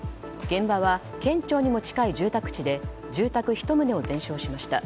現場は、県庁にも近い住宅地で住宅１棟を全焼しました。